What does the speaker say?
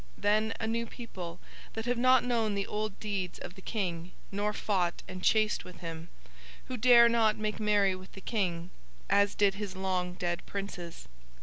Then a new people that have not known the old deeds of the King nor fought and chased with him, who dare not make merry with the King as did his long dead princes.